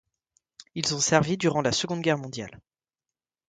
Ils ont servi durant la Seconde Guerre mondiale.